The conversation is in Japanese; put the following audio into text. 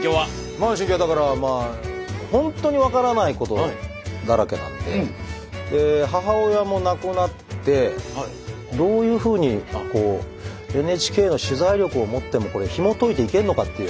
今の心境はだからまあ本当に分からないことだらけなんでで母親も亡くなってどういうふうにこうＮＨＫの取材力をもってもこれひもといていけんのかっていう。